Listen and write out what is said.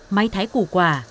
máy thái củ quả